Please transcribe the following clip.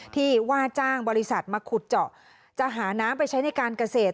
ที่ว่าจ้างบริษัทมาขุดเจาะจะหาน้ำไปใช้ในการเกษตร